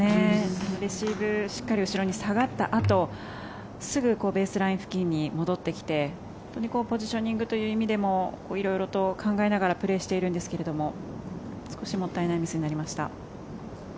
レシーブしっかり後ろに下がったあとすぐベースライン付近に戻ってきて本当にポジショニングという意味でも色々と考えながらプレーしてるんですけども少しもったいないミスになりました。